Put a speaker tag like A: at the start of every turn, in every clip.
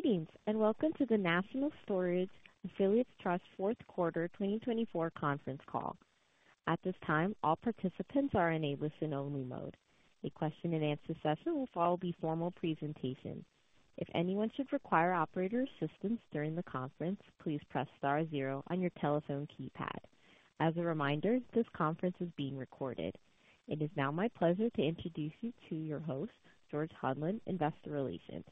A: Greetings and welcome to the National Storage Affiliates Trust fourth quarter 2024 conference call. At this time, all participants are in a listen-only mode. A question-and-answer session will follow the formal presentation. If anyone should require operator assistance during the conference, please press star zero on your telephone keypad. As a reminder, this conference is being recorded. It is now my pleasure to introduce you to your host, George Hoglund, Investor Relations.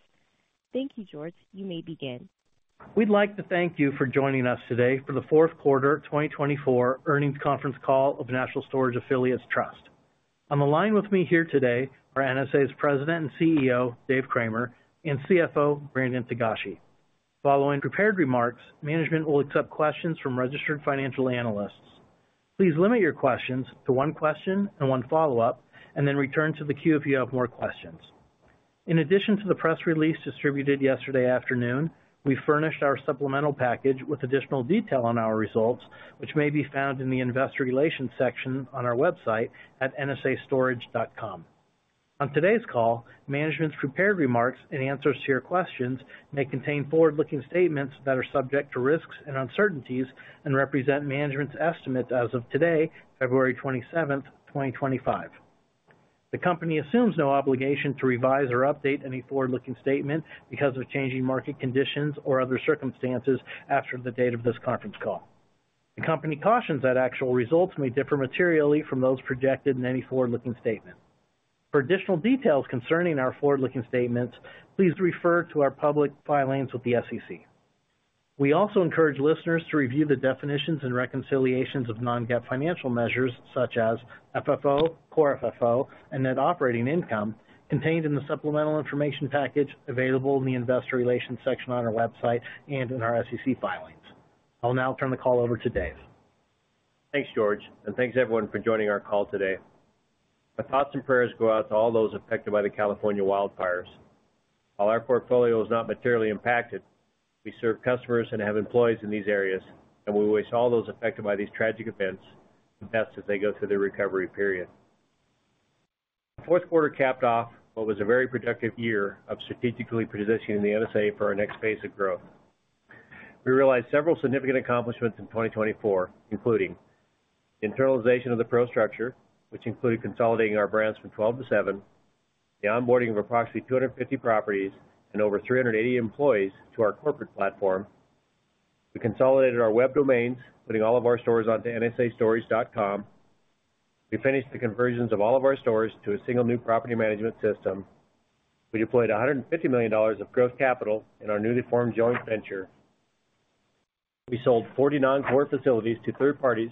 A: Thank you, George. You may begin.
B: We'd like to thank you for joining us today for the fourth quarter 2024 earnings conference call of National Storage Affiliates Trust. On the line with me here today are NSA's President and CEO, Dave Cramer, and CFO, Brandon Togashi. Following prepared remarks, management will accept questions from registered financial analysts. Please limit your questions to one question and one follow-up, and then return to the queue if you have more questions. In addition to the press release distributed yesterday afternoon, we furnished our supplemental package with additional detail on our results, which may be found in the Investor Relations section on our website at nsastorage.com. On today's call, management's prepared remarks and answers to your questions may contain forward-looking statements that are subject to risks and uncertainties and represent management's estimate as of today, February 27th, 2025. The company assumes no obligation to revise or update any forward-looking statement because of changing market conditions or other circumstances after the date of this conference call. The company cautions that actual results may differ materially from those projected in any forward-looking statement. For additional details concerning our forward-looking statements, please refer to our public filings with the SEC. We also encourage listeners to review the definitions and reconciliations of non-GAAP financial measures such as FFO, Core FFO, and Net Operating Income contained in the supplemental information package available in the Investor Relations section on our website and in our SEC filings. I'll now turn the call over to Dave.
C: Thanks, George, and thanks everyone for joining our call today. My thoughts and prayers go out to all those affected by the California wildfires. While our portfolio is not materially impacted, we serve customers and have employees in these areas, and we wish all those affected by these tragic events the best as they go through their recovery period. The fourth quarter capped off what was a very productive year of strategically positioning the NSA for our next phase of growth. We realized several significant accomplishments in 2024, including the internalization of the PRO structure, which included consolidating our brands from 12 to seven, the onboarding of approximately 250 properties and over 380 employees to our corporate platform. We consolidated our web domains, putting all of our stores onto nsastorage.com. We finished the conversions of all of our stores to a single new property management system. We deployed $150 million of gross capital in our newly formed joint venture. We sold 49 core facilities to third parties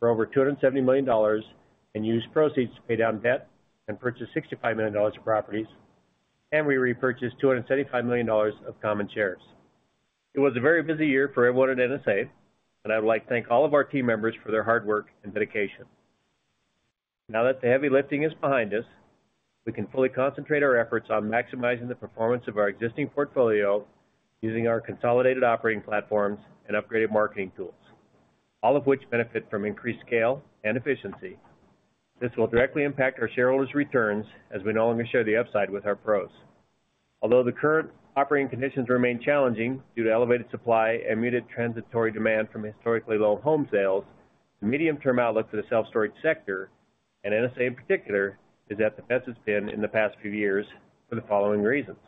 C: for over $270 million and used proceeds to pay down debt and purchase $65 million of properties, and we repurchased $275 million of common shares. It was a very busy year for everyone at NSA, and I would like to thank all of our team members for their hard work and dedication. Now that the heavy lifting is behind us, we can fully concentrate our efforts on maximizing the performance of our existing portfolio using our consolidated operating platforms and upgraded marketing tools, all of which benefit from increased scale and efficiency. This will directly impact our shareholders' returns as we no longer share the upside with our PROs. Although the current operating conditions remain challenging due to elevated supply and muted transitory demand from historically low home sales, the medium-term outlook for the self-storage sector, and NSA in particular, is at its best point in the past few years for the following reasons.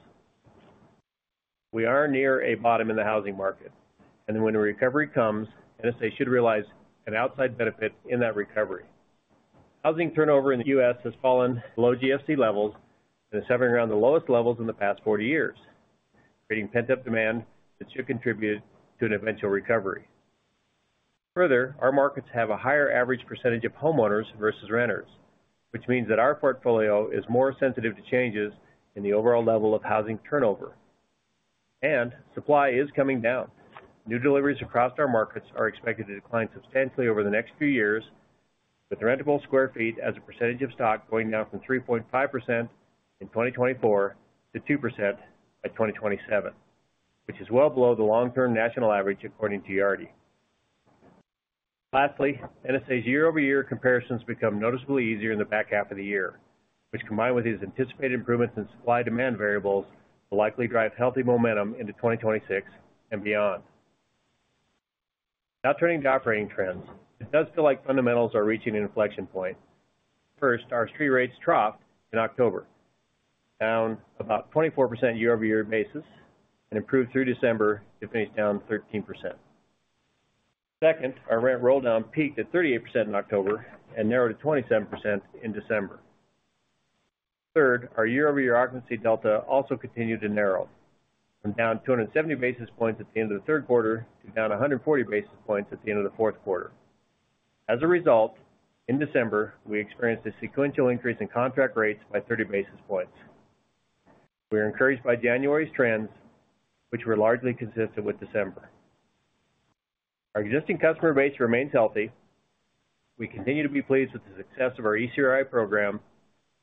C: We are near a bottom in the housing market, and when a recovery comes, NSA should realize an outsized benefit in that recovery. Housing turnover in the U.S. has fallen below GFC levels and is hovering around the lowest levels in the past 40 years, creating pent-up demand that should contribute to an eventual recovery. Further, our markets have a higher average percentage of homeowners versus renters, which means that our portfolio is more sensitive to changes in the overall level of housing turnover, and supply is coming down. New deliveries across our markets are expected to decline substantially over the next few years, with rentable square feet as a percentage of stock going down from 3.5% in 2024 to 2% by 2027, which is well below the long-term national average according to Yardi. Lastly, NSA's year-over-year comparisons become noticeably easier in the back half of the year, which combined with these anticipated improvements in supply-demand variables will likely drive healthy momentum into 2026 and beyond. Now turning to operating trends, it does feel like fundamentals are reaching an inflection point. First, our street rates troughed in October, down about 24% year-over-year basis, and improved through December to finish down 13%. Second, our rent roll-down peaked at 38% in October and narrowed to 27% in December. Third, our year-over-year occupancy delta also continued to narrow, from down 270 basis points at the end of the third quarter to down 140 basis points at the end of the fourth quarter. As a result, in December, we experienced a sequential increase in contract rates by 30 basis points. We are encouraged by January's trends, which were largely consistent with December. Our existing customer base remains healthy. We continue to be pleased with the success of our ECRI program.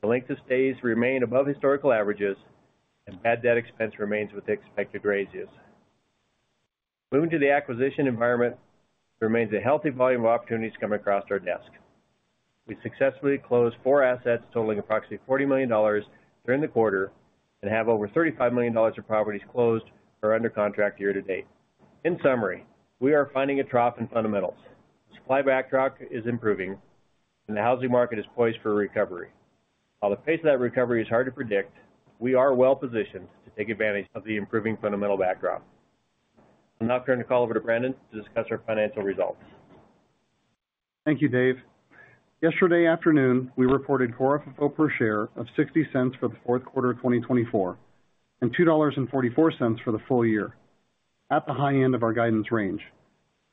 C: The length of stays remained above historical averages, and bad debt expense remains with expected ratios. Moving to the acquisition environment, there remains a healthy volume of opportunities coming across our desk. We successfully closed four assets totaling approximately $40 million during the quarter and have over $35 million of properties closed or under contract year-to-date. In summary, we are finding a trough in fundamentals. The supply backdrop is improving, and the housing market is poised for recovery. While the pace of that recovery is hard to predict, we are well-positioned to take advantage of the improving fundamental backdrop. I'll now turn the call over to Brandon to discuss our financial results.
D: Thank you, Dave. Yesterday afternoon, we reported Core FFO per share of $0.60 for the fourth quarter of 2024 and $2.44 for the full year, at the high end of our guidance range,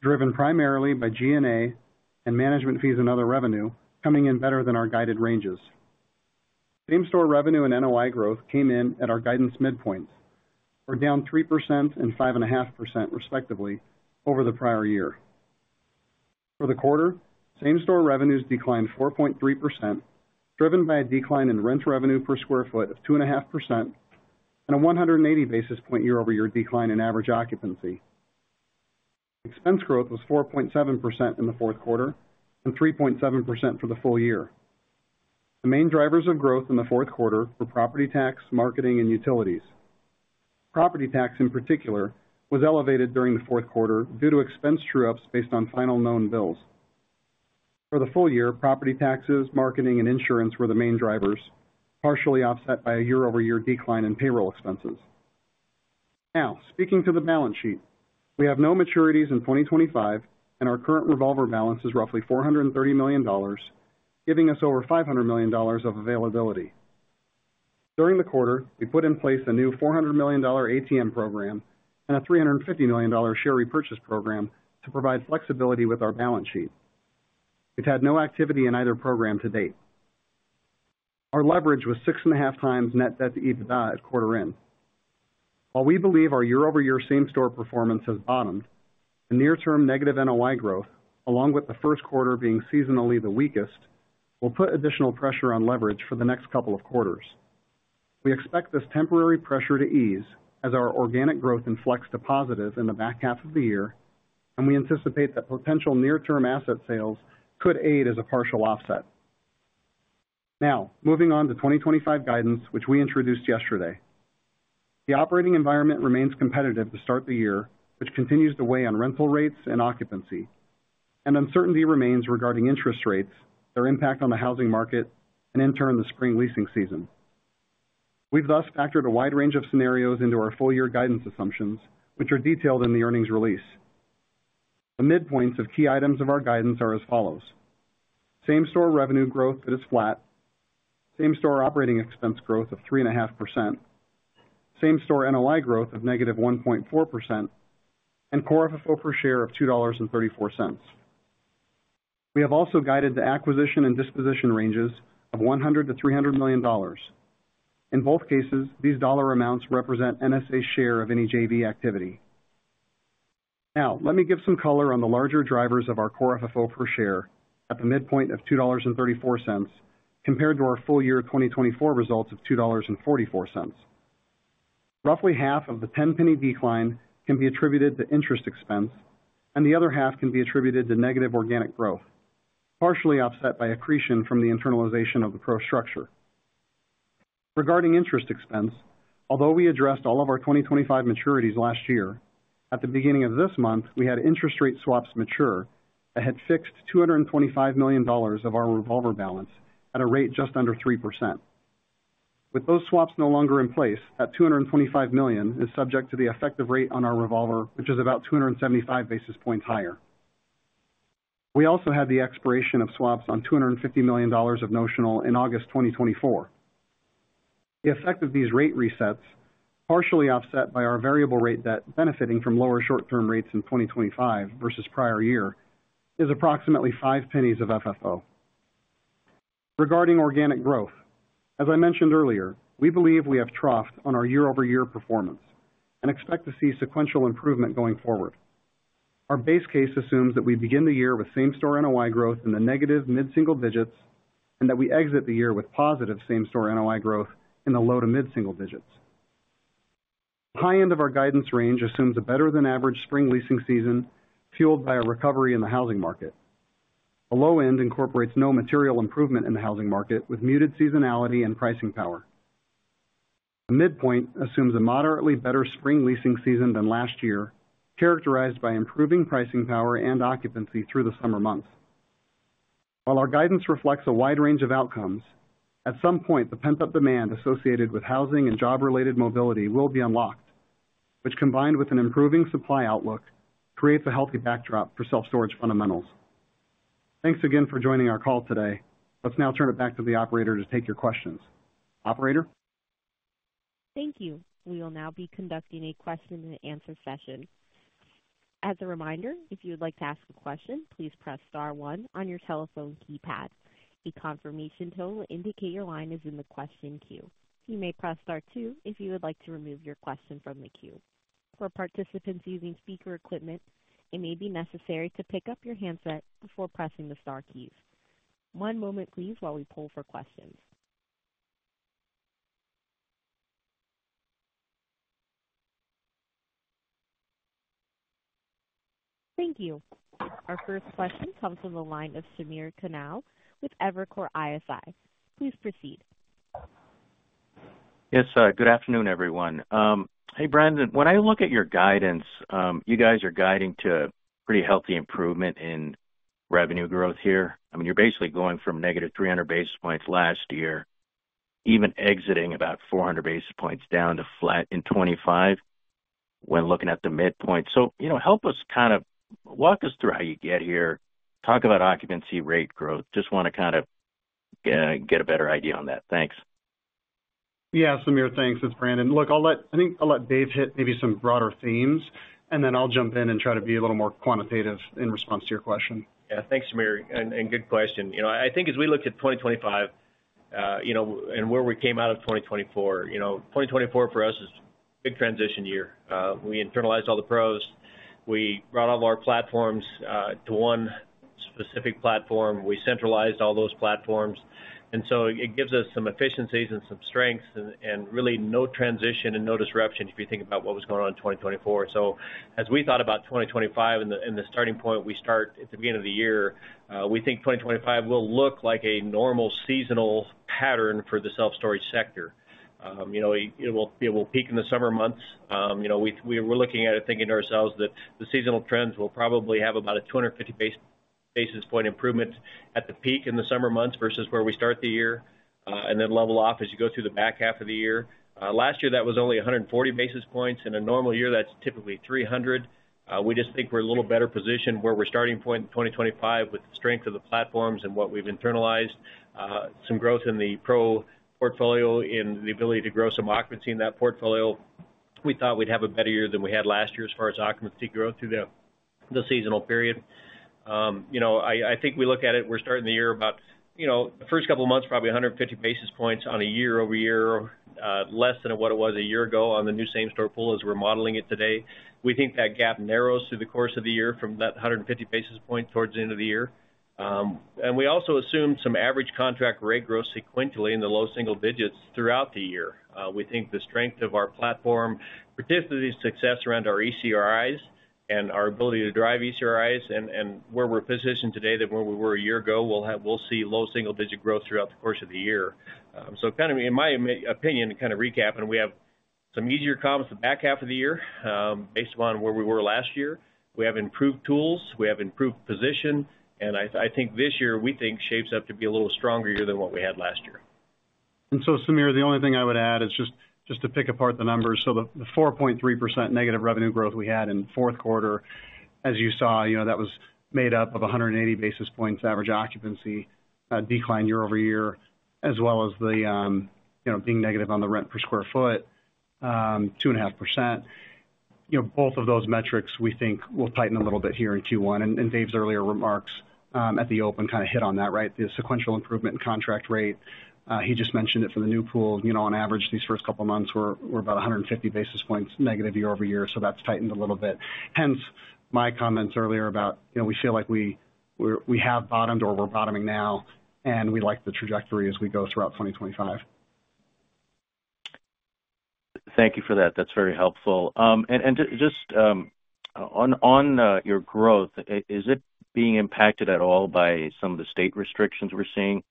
D: driven primarily by G&A and management fees and other revenue coming in better than our guided ranges. Same-store revenue and NOI growth came in at our guidance midpoints. We're down 3% and 5.5% respectively over the prior year. For the quarter, same-store revenues declined 4.3%, driven by a decline in rent revenue per sq ft of 2.5% and a 180 basis points year-over-year decline in average occupancy. Expense growth was 4.7% in the fourth quarter and 3.7% for the full year. The main drivers of growth in the fourth quarter were property tax, marketing, and utilities. Property tax, in particular, was elevated during the fourth quarter due to expense true-ups based on final known bills. For the full year, property taxes, marketing, and insurance were the main drivers, partially offset by a year-over-year decline in payroll expenses. Now, speaking to the balance sheet, we have no maturities in 2025, and our current revolver balance is roughly $430 million, giving us over $500 million of availability. During the quarter, we put in place a new $400 million ATM program and a $350 million share repurchase program to provide flexibility with our balance sheet. We've had no activity in either program to date. Our leverage was 6.5x net debt to EBITDA at quarter-end. While we believe our year-over-year same-store performance has bottomed, the near-term negative NOI growth, along with the first quarter being seasonally the weakest, will put additional pressure on leverage for the next couple of quarters. We expect this temporary pressure to ease as our organic growth inflects to positive in the back half of the year, and we anticipate that potential near-term asset sales could aid as a partial offset. Now, moving on to 2025 guidance, which we introduced yesterday. The operating environment remains competitive to start the year, which continues to weigh on rental rates and occupancy, and uncertainty remains regarding interest rates, their impact on the housing market, and in turn, the spring leasing season. We've thus factored a wide range of scenarios into our full-year guidance assumptions, which are detailed in the earnings release. The midpoints of key items of our guidance are as follows: same-store revenue growth that is flat, same-store operating expense growth of 3.5%, same-store NOI growth of negative 1.4%, and core FFO per share of $2.34. We have also guided the acquisition and disposition ranges of $100 million-$300 million. In both cases, these dollar amounts represent NSA's share of any JV activity. Now, let me give some color on the larger drivers of our core FFO per share at the midpoint of $2.34 compared to our full-year 2024 results of $2.44. Roughly half of the 10-penny decline can be attributed to interest expense, and the other half can be attributed to negative organic growth, partially offset by accretion from the internalization of the PRO structure. Regarding interest expense, although we addressed all of our 2025 maturities last year, at the beginning of this month, we had interest rate swaps mature that had fixed $225 million of our revolver balance at a rate just under 3%. With those swaps no longer in place, that $225 million is subject to the effective rate on our revolver, which is about 275 basis points higher. We also had the expiration of swaps on $250 million of notional in August 2024. The effect of these rate resets, partially offset by our variable rate debt benefiting from lower short-term rates in 2025 versus prior year, is approximately $0.05 of FFO. Regarding organic growth, as I mentioned earlier, we believe we have troughed on our year-over-year performance and expect to see sequential improvement going forward. Our base case assumes that we begin the year with same-store NOI growth in the negative mid-single digits and that we exit the year with positive same-store NOI growth in the low to mid-single digits. The high end of our guidance range assumes a better-than-average spring leasing season fueled by a recovery in the housing market. The low end incorporates no material improvement in the housing market with muted seasonality and pricing power. The midpoint assumes a moderately better spring leasing season than last year, characterized by improving pricing power and occupancy through the summer months. While our guidance reflects a wide range of outcomes, at some point, the pent-up demand associated with housing and job-related mobility will be unlocked, which, combined with an improving supply outlook, creates a healthy backdrop for self-storage fundamentals. Thanks again for joining our call today. Let's now turn it back to the operator to take your questions. Operator?
A: Thank you. We will now be conducting a question-and-answer session. As a reminder, if you would like to ask a question, please press star one on your telephone keypad. A confirmation tone will indicate your line is in the question queue. You may press star two if you would like to remove your question from the queue. For participants using speaker equipment, it may be necessary to pick up your handset before pressing the star keys. One moment, please, while we pull for questions. Thank you. Our first question comes from the line of Samir Khanal with Evercore ISI. Please proceed.
E: Yes, good afternoon, everyone. Hey, Brandon, when I look at your guidance, you guys are guiding to pretty healthy improvement in revenue growth here. I mean, you're basically going from -300 basis points last year, even exiting about 400 basis points down to flat in 2025 when looking at the midpoint. So, you know, help us kind of walk us through how you get here, talk about occupancy rate growth. Just want to kind of get a better idea on that. Thanks.
D: Yeah, Samir, thanks. It's Brandon. Look, I'll let, I think I'll let Dave hit maybe some broader themes, and then I'll jump in and try to be a little more quantitative in response to your question.
C: Yeah, thanks, Samir, and good question. You know, I think as we looked at 2025, you know, and where we came out of 2024, you know, 2024 for us is a big transition year. We internalized all the PROs. We brought all of our platforms to one specific platform. We centralized all those platforms, and so it gives us some efficiencies and some strengths and really no transition and no disruption if you think about what was going on in 2024. So, as we thought about 2025, in the starting point, we start at the beginning of the year, we think 2025 will look like a normal seasonal pattern for the self-storage sector. You know, it will peak in the summer months. You know, we were looking at it, thinking to ourselves that the seasonal trends will probably have about a 250 basis point improvement at the peak in the summer months versus where we start the year, and then level off as you go through the back half of the year. Last year, that was only 140 basis points. In a normal year, that's typically 300. We just think we're a little better positioned where we're starting point in 2025 with the strength of the platforms and what we've internalized, some growth in the pro portfolio, and the ability to grow some occupancy in that portfolio. We thought we'd have a better year than we had last year as far as occupancy growth through the seasonal period. You know, I think we look at it. We're starting the year about, you know, the first couple of months, probably 150 basis points on a year-over-year, less than what it was a year ago on the new same-store pool as we're modeling it today. We think that gap narrows through the course of the year from that 150 basis point towards the end of the year, and we also assume some average contract rate growth sequentially in the low single digits throughout the year. We think the strength of our platform, particularly the success around our ECRIs and our ability to drive ECRIs and where we're positioned today, that where we were a year ago, we'll see low single-digit growth throughout the course of the year. So, kind of in my opinion, kind of recapping, we have some easier comps the back half of the year based upon where we were last year. We have improved tools. We have improved position. And I think this year, we think, shapes up to be a little stronger year than what we had last year.
D: Samir, the only thing I would add is just to pick apart the numbers. The 4.3% negative revenue growth we had in the fourth quarter, as you saw, you know, that was made up of 180 basis points average occupancy decline year-over-year, as well as the, you know, being negative on the rent per sq ft, 2.5%. You know, both of those metrics, we think, will tighten a little bit here in Q1. Dave's earlier remarks at the open kind of hit on that, right? The sequential improvement in contract rate. He just mentioned it for the new pool. You know, on average, these first couple of months were about 150 basis points negative year-over-year. That's tightened a little bit. Hence, my comments earlier about, you know, we feel like we have bottomed or we're bottoming now, and we like the trajectory as we go throughout 2025.
E: Thank you for that. That's very helpful, and just on your growth, is it being impacted at all by some of the state restrictions we're seeing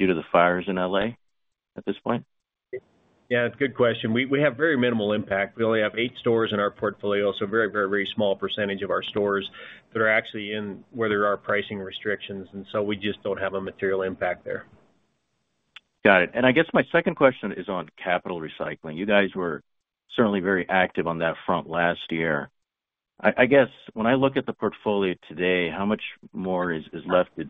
E: due to the fires in LA at this point?
C: Yeah, it's a good question. We have very minimal impact. We only have eight stores in our portfolio, so a very, very, very small percentage of our stores that are actually in where there are pricing restrictions. And so, we just don't have a material impact there.
E: Got it. And I guess my second question is on capital recycling. You guys were certainly very active on that front last year. I guess, when I look at the portfolio today, how much more is left to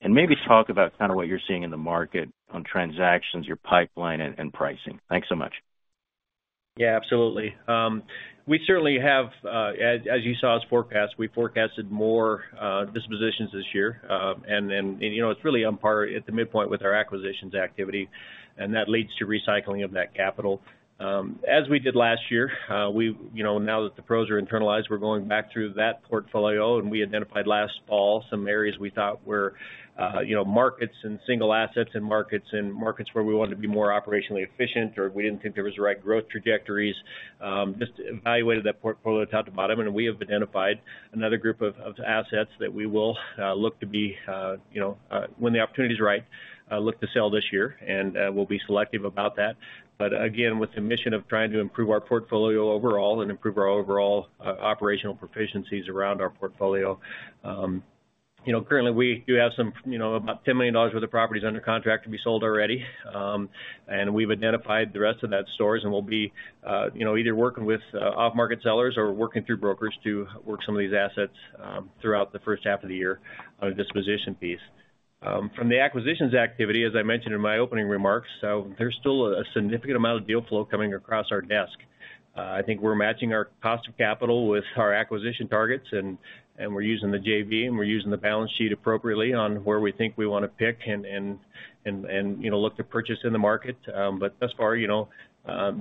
E: do? And maybe talk about kind of what you're seeing in the market on transactions, your pipeline, and pricing. Thanks so much.
C: Yeah, absolutely. We certainly have, as you saw us forecast, we forecasted more dispositions this year, and you know, it's really at the midpoint with our acquisitions activity, and that leads to recycling of that capital. As we did last year, we, you know, now that the PROs are internalized, we're going back through that portfolio, and we identified last fall some areas we thought were, you know, markets and single assets and markets and markets where we wanted to be more operationally efficient, or we didn't think there was the right growth trajectories. Just evaluated that portfolio top to bottom, and we have identified another group of assets that we will look to be, you know, when the opportunity is right, look to sell this year. And we'll be selective about that. But again, with the mission of trying to improve our portfolio overall and improve our overall operational proficiencies around our portfolio. You know, currently, we do have some, you know, about $10 million worth of properties under contract to be sold already. And we've identified the rest of that stores, and we'll be, you know, either working with off-market sellers or working through brokers to work some of these assets throughout the first half of the year on a disposition piece. From the acquisitions activity, as I mentioned in my opening remarks, there's still a significant amount of deal flow coming across our desk. I think we're matching our cost of capital with our acquisition targets, and we're using the JV, and we're using the balance sheet appropriately on where we think we want to pick and, you know, look to purchase in the market. But thus far, you know,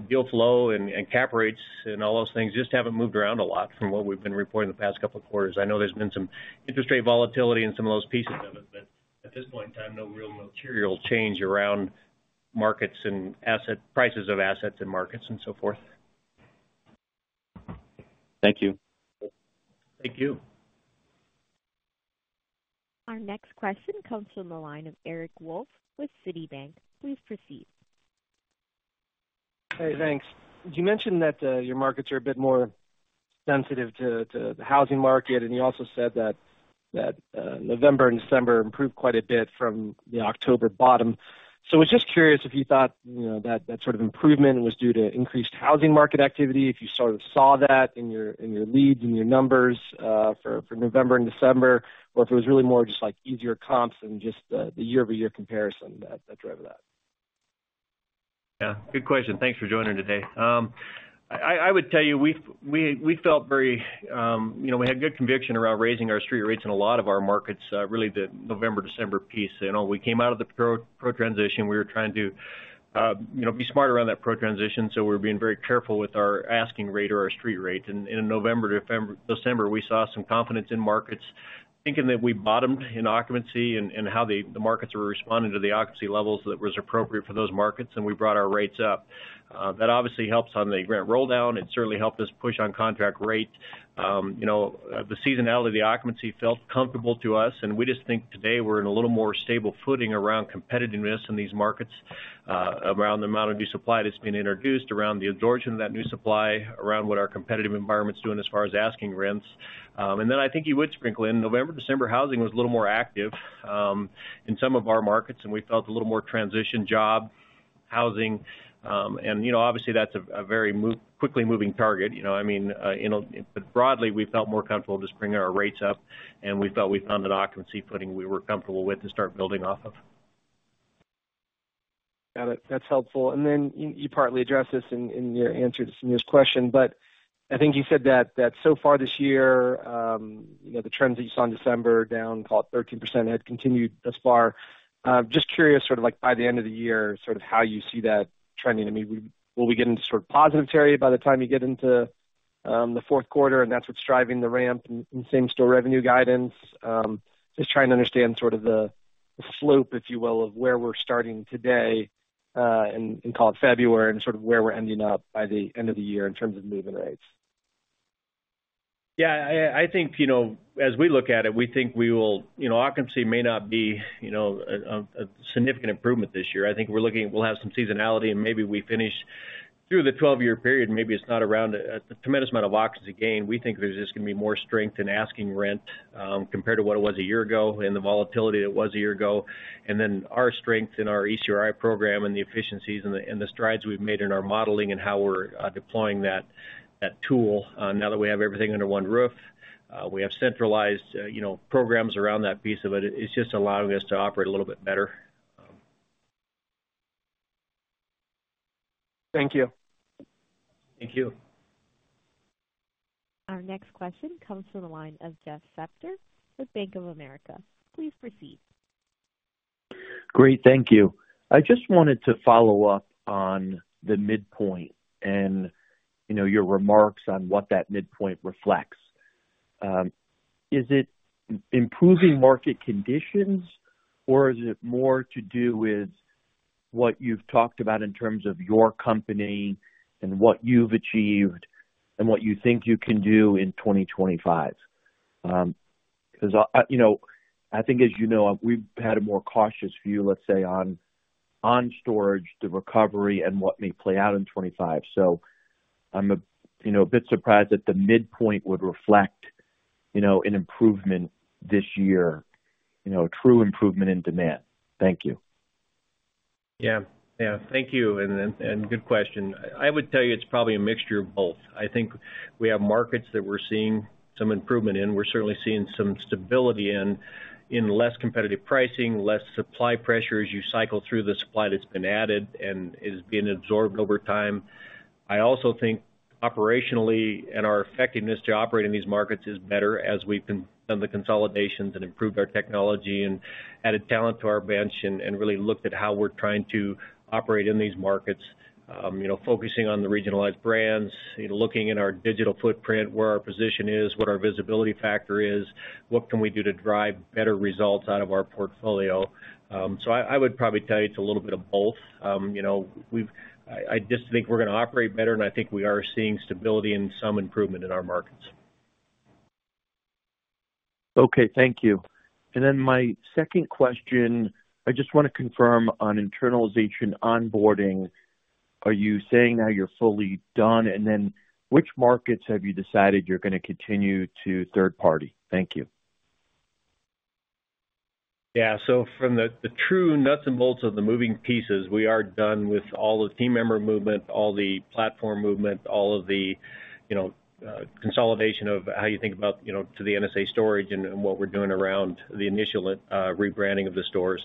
C: deal flow and cap rates and all those things just haven't moved around a lot from what we've been reporting the past couple of quarters. I know there's been some interest rate volatility in some of those pieces of it, but at this point in time, no real material change around markets and asset prices of assets and markets and so forth.
E: Thank you.
C: Thank you.
A: Our next question comes from the line of Eric Wolfe with Citibank. Please proceed.
F: Hey, thanks. You mentioned that your markets are a bit more sensitive to the housing market, and you also said that November and December improved quite a bit from the October bottom, so I was just curious if you thought, you know, that sort of improvement was due to increased housing market activity, if you sort of saw that in your leads and your numbers for November and December, or if it was really more just like easier comps than just the year-over-year comparison that drove that.
C: Yeah, good question. Thanks for joining today. I would tell you we felt very, you know, we had good conviction around raising our street rates in a lot of our markets, really the November-December piece. You know, we came out of the pro transition. We were trying to, you know, be smart around that pro transition. So, we were being very careful with our asking rate or our street rate. And in November-December, we saw some confidence in markets, thinking that we bottomed in occupancy and how the markets were responding to the occupancy levels that were appropriate for those markets, and we brought our rates up. That obviously helps on the rent roll down. It certainly helped us push on contract rate. You know, the seasonality of the occupancy felt comfortable to us, and we just think today we're in a little more stable footing around competitiveness in these markets, around the amount of new supply that's been introduced, around the absorption of that new supply, around what our competitive environment's doing as far as asking rents, and then I think you would sprinkle in November-December housing was a little more active in some of our markets, and we felt a little more transition job housing, and, you know, obviously, that's a very quickly moving target. You know, I mean, broadly, we felt more comfortable just bringing our rates up, and we felt we found an occupancy footing we were comfortable with to start building off of.
F: Got it. That's helpful. And then you partly addressed this in your answer to Samir's question, but I think you said that so far this year, you know, the trends that you saw in December down, call it 13%, had continued thus far. Just curious, sort of like by the end of the year, sort of how you see that trending. I mean, will we get into sort of positive territory by the time you get into the fourth quarter, and that's what's driving the ramp in same-store revenue guidance? Just trying to understand sort of the slope, if you will, of where we're starting today in, call it February, and sort of where we're ending up by the end of the year in terms of moving rates.
C: Yeah, I think, you know, as we look at it, we think we will, you know, occupancy may not be, you know, a significant improvement this year. I think we're looking, we'll have some seasonality, and maybe we finish through the 12-year period, maybe it's not around a tremendous amount of occupancy gain. We think there's just going to be more strength in asking rent compared to what it was a year ago and the volatility that it was a year ago. And then our strength in our ECRI program and the efficiencies and the strides we've made in our modeling and how we're deploying that tool now that we have everything under one roof. We have centralized, you know, programs around that piece of it. It's just allowing us to operate a little bit better.
F: Thank you.
C: Thank you.
A: Our next question comes from the line of Jeff Spector with Bank of America. Please proceed.
G: Great, thank you. I just wanted to follow up on the midpoint and, you know, your remarks on what that midpoint reflects. Is it improving market conditions, or is it more to do with what you've talked about in terms of your company and what you've achieved and what you think you can do in 2025? Because, you know, I think, as you know, we've had a more cautious view, let's say, on storage, the recovery, and what may play out in 2025. So, I'm, you know, a bit surprised that the midpoint would reflect, you know, an improvement this year, you know, a true improvement in demand. Thank you.
C: Yeah, yeah, thank you. And good question. I would tell you it's probably a mixture of both. I think we have markets that we're seeing some improvement in. We're certainly seeing some stability in less competitive pricing, less supply pressure as you cycle through the supply that's been added and is being absorbed over time. I also think operationally and our effectiveness to operate in these markets is better as we've done the consolidations and improved our technology and added talent to our bench and really looked at how we're trying to operate in these markets, you know, focusing on the regionalized brands, looking at our digital footprint, where our position is, what our visibility factor is, what can we do to drive better results out of our portfolio. So, I would probably tell you it's a little bit of both. You know, I just think we're going to operate better, and I think we are seeing stability and some improvement in our markets.
G: Okay, thank you. And then my second question, I just want to confirm on internalization onboarding. Are you saying now you're fully done? And then which markets have you decided you're going to continue to third-party? Thank you.
C: Yeah, so from the true nuts and bolts of the moving pieces, we are done with all the team member movement, all the platform movement, all of the, you know, consolidation of how you think about, you know, to the NSA storage and what we're doing around the initial rebranding of the stores.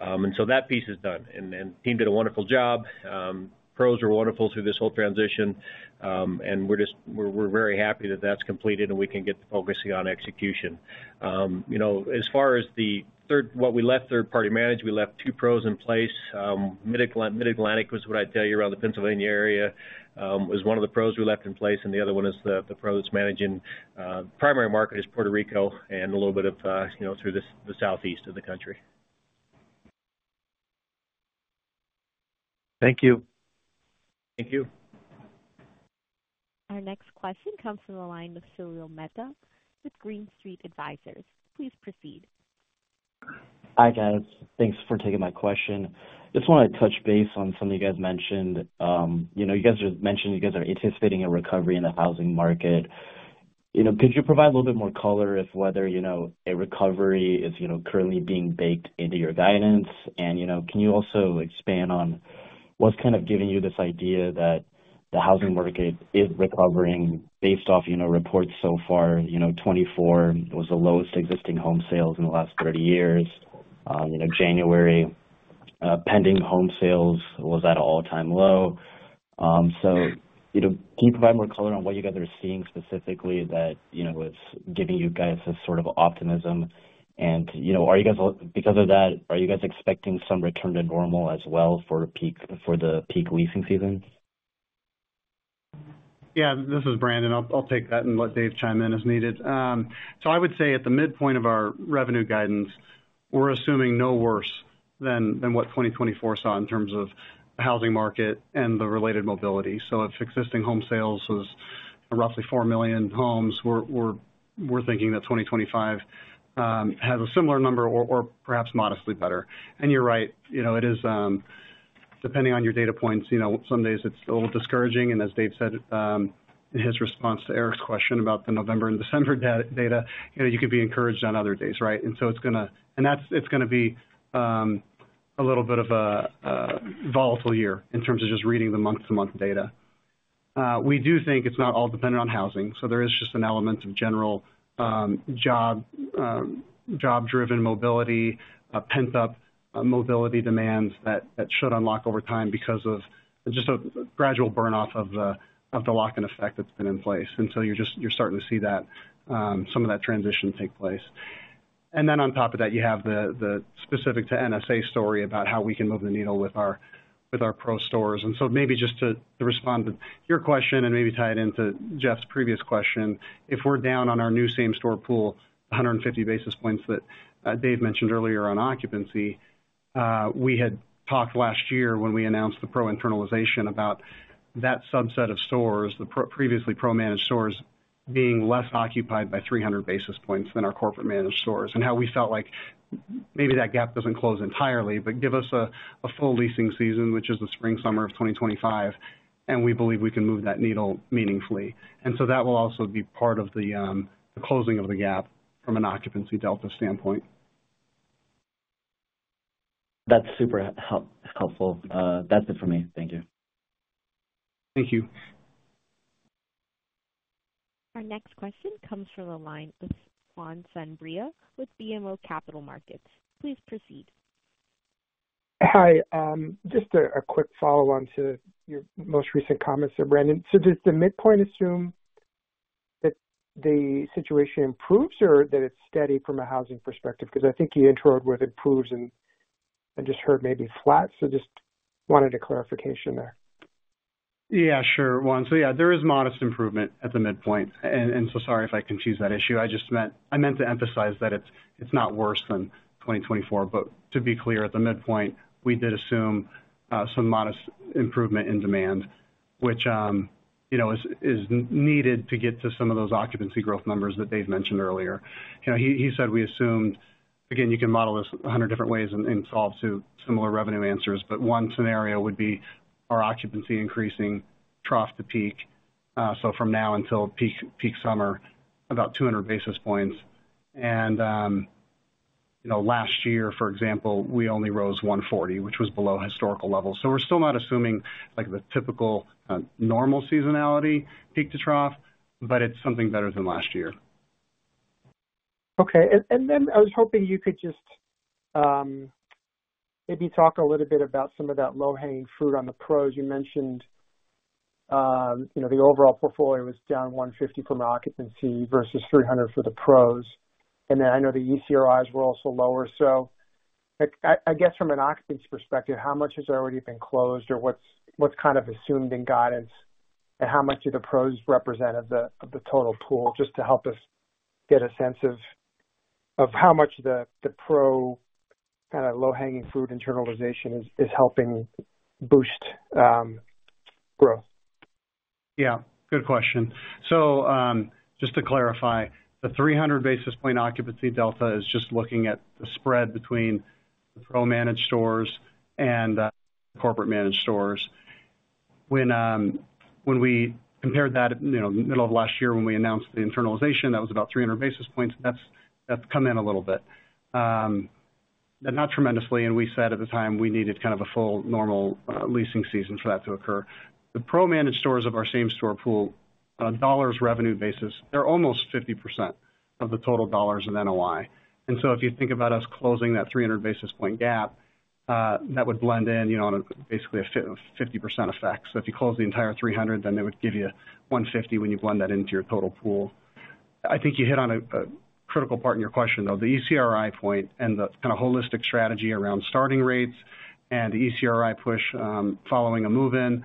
C: And so, that piece is done. And the team did a wonderful job. PROs were wonderful through this whole transition. And we're just, we're very happy that that's completed and we can get focusing on execution. You know, as far as the third, what we left third-party managed, we left two PROs in place. Mid-Atlantic was what I'd tell you around the Pennsylvania area was one of the PROs we left in place. The other one is the PRO that's managing primary market is Puerto Rico and a little bit of, you know, through the southeast of the country.
G: Thank you.
C: Thank you.
A: Our next question comes from the line of Salil Mehta with Green Street Advisors. Please proceed.
H: Hi guys. Thanks for taking my question. Just want to touch base on some of you guys mentioned. You know, you guys mentioned you guys are anticipating a recovery in the housing market. You know, could you provide a little bit more color if whether, you know, a recovery is, you know, currently being baked into your guidance? And, you know, can you also expand on what's kind of giving you this idea that the housing market is recovering based off, you know, reports so far? You know, 2024 was the lowest existing home sales in the last 30 years. You know, January, pending home sales was at an all-time low. So, you know, can you provide more color on what you guys are seeing specifically that, you know, is giving you guys a sort of optimism? You know, are you guys, because of that, are you guys expecting some return to normal as well for the peak leasing season?
D: Yeah, this is Brandon. I'll take that and let Dave chime in as needed. So, I would say at the midpoint of our revenue guidance, we're assuming no worse than what 2024 saw in terms of the housing market and the related mobility. So, if existing home sales was roughly four million homes, we're thinking that 2025 has a similar number or perhaps modestly better. And you're right, you know, it is, depending on your data points, you know, some days it's a little discouraging. And as Dave said in his response to Eric's question about the November and December data, you know, you could be encouraged on other days, right? And so, it's going to, and that's, it's going to be a little bit of a volatile year in terms of just reading the month-to-month data. We do think it's not all dependent on housing. There is just an element of general job-driven mobility, pent-up mobility demands that should unlock over time because of just a gradual burn off of the lock-in effect that's been in place. And so, you're just, you're starting to see that, some of that transition take place. And then on top of that, you have the specific to NSA story about how we can move the needle with our PRO stores. And so, maybe just to respond to your question and maybe tie it into Jeff's previous question, if we're down on our new same-store pool, 150 basis points that Dave mentioned earlier on occupancy, we had talked last year when we announced the PRO internalization about that subset of stores, the previously PRO-managed stores being less occupied by 300 basis points than our corporate managed stores. And how we felt like maybe that gap doesn't close entirely, but give us a full leasing season, which is the spring, summer of 2025, and we believe we can move that needle meaningfully. And so, that will also be part of the closing of the gap from an occupancy delta standpoint.
H: That's super helpful. That's it for me. Thank you.
D: Thank you.
A: Our next question comes from the line of Juan Sanabria with BMO Capital Markets. Please proceed.
I: Hi, just a quick follow-on to your most recent comments, Brandon. So, does the midpoint assume that the situation improves or that it's steady from a housing perspective? Because I think you interrupted with improves and just heard maybe flat. So, just wanted a clarification there.
D: Yeah. Sure, Juan. So, yeah, there is modest improvement at the midpoint. And so, sorry if I confuse that issue. I just meant to emphasize that it's not worse than 2024. But to be clear, at the midpoint, we did assume some modest improvement in demand, which, you know, is needed to get to some of those occupancy growth numbers that Dave mentioned earlier. You know, he said we assumed, again, you can model this 100 different ways and solve to similar revenue answers, but one scenario would be our occupancy increasing trough to peak. So, from now until peak summer, about 200 basis points. And, you know, last year, for example, we only rose 140, which was below historical levels. So, we're still not assuming like the typical normal seasonality peak to trough, but it's something better than last year.
I: Okay. And then I was hoping you could just maybe talk a little bit about some of that low-hanging fruit on the PROs. You mentioned, you know, the overall portfolio was down 150 from occupancy versus 300 for the PROs. And then I know the ECRIs were also lower. So, I guess from an occupancy perspective, how much has already been closed or what's kind of assumed in guidance and how much do the PROs represent of the total pool just to help us get a sense of how much the PRO kind of low-hanging fruit internalization is helping boost growth?
D: Yeah. Good question. Just to clarify, the 300 basis points occupancy delta is just looking at the spread between the PRO-managed stores and the corporate managed stores. When we compared that, you know, middle of last year when we announced the internalization, that was about 300 basis points. That's come in a little bit, but not tremendously. And we said at the time we needed kind of a full normal leasing season for that to occur. The PRO-managed stores of our same-store pool, dollars revenue basis, they're almost 50% of the total dollars of NOI. And so, if you think about us closing that 300 basis points gap, that would blend in, you know, on basically a 50% effect. If you close the entire 300, then it would give you 150 when you blend that into your total pool. I think you hit on a critical part in your question, though, the ECRI point and the kind of holistic strategy around starting rates and the ECRI push following a move-in.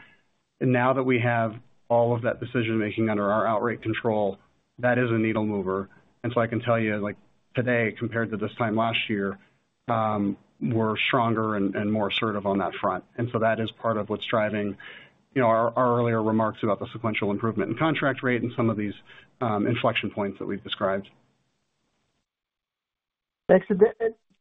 D: And now that we have all of that decision-making under our outright control, that is a needle mover, and so I can tell you like today compared to this time last year, we're stronger and more assertive on that front. And so that is part of what's driving, you know, our earlier remarks about the sequential improvement in contract rate and some of these inflection points that we've described.
I: Thanks.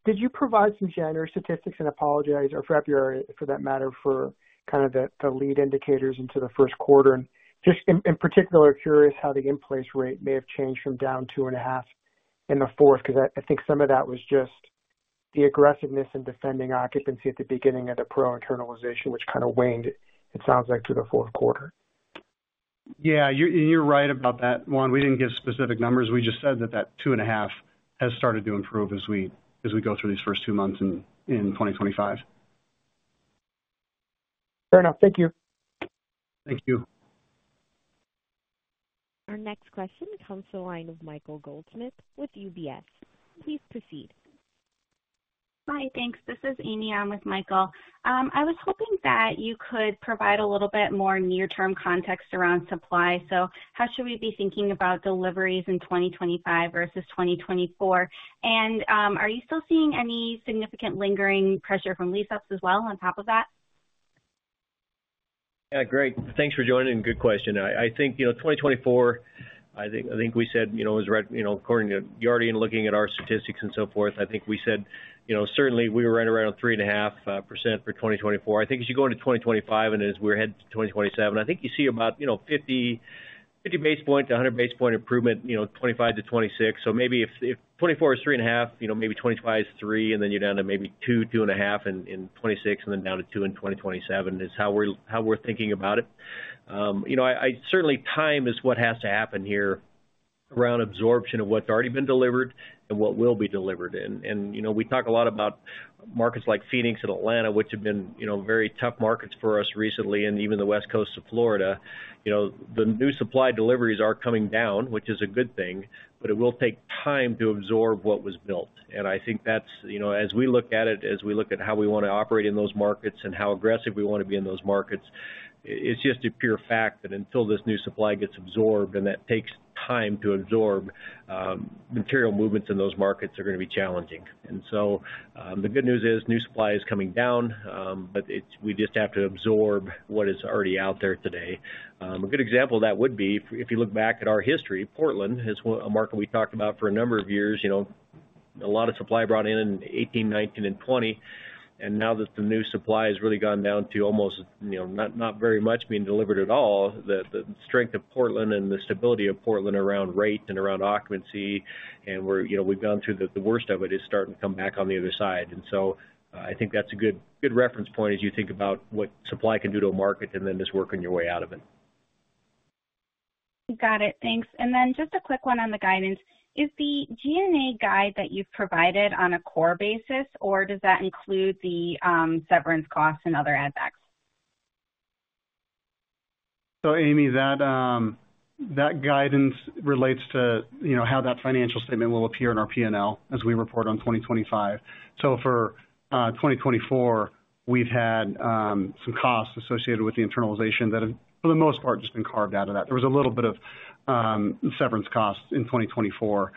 I: Did you provide some generic statistics and outlook or for that matter for kind of the lead indicators into the first quarter? Just in particular, curious how the in-place rate may have changed from down two and a half in the fourth, because I think some of that was just the aggressiveness in defending occupancy at the beginning of the PRO internalization, which kind of waned, it sounds like, through the fourth quarter.
D: Yeah. You're right about that, Juan. We didn't give specific numbers. We just said that that two and a half has started to improve as we go through these first two months in 2025.
I: Fair enough. Thank you.
D: Thank you.
A: Our next question comes from the line of Michael Goldsmith with UBS. Please proceed. Hi, thanks. This is Ami. I'm with Michael. I was hoping that you could provide a little bit more near-term context around supply. So, how should we be thinking about deliveries in 2025 versus 2024? And are you still seeing any significant lingering pressure from lease-ups as well on top of that?
C: Yeah, great. Thanks for joining. Good question. I think, you know, 2024, I think we said, you know, it was right, you know, according to Yardi and looking at our statistics and so forth, I think we said, you know, certainly we were right around 3.5% for 2024. I think as you go into 2025 and as we're heading to 2027, I think you see about, you know, 50 basis points to 100 basis points improvement, you know, 2025 to 2026. So, maybe if 2024 is 3.5%, you know, maybe 2025 is 3%, and then you're down to maybe 2%, 2.5% in 2026, and then down to 2% in 2027 is how we're thinking about it. You know, certainly time is what has to happen here around absorption of what's already been delivered and what will be delivered. And, you know, we talk a lot about markets like Phoenix and Atlanta, which have been, you know, very tough markets for us recently and even the West Coast of Florida. You know, the new supply deliveries are coming down, which is a good thing, but it will take time to absorb what was built. And I think that's, you know, as we look at it, as we look at how we want to operate in those markets and how aggressive we want to be in those markets, it's just a pure fact that until this new supply gets absorbed and that takes time to absorb, material movements in those markets are going to be challenging. And so, the good news is new supply is coming down, but we just have to absorb what is already out there today. A good example of that would be if you look back at our history. Portland is a market we talked about for a number of years. You know, a lot of supply brought in in 2018, 2019, and 2020. And now that the new supply has really gone down to almost, you know, not very much being delivered at all, the strength of Portland and the stability of Portland around rate and around occupancy and where, you know, we've gone through the worst of it is starting to come back on the other side. And so, I think that's a good reference point as you think about what supply can do to a market and then just working your way out of it. Got it. Thanks. And then just a quick one on the guidance. Is the G&A guidance that you've provided on a core basis or does that include the severance costs and other add-backs?
D: So, Ami, that guidance relates to, you know, how that financial statement will appear in our P&L as we report on 2025. So, for 2024, we've had some costs associated with the internalization that have for the most part just been carved out of that. There was a little bit of severance costs in 2024